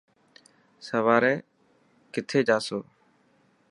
سواري ڪٿي جاسو.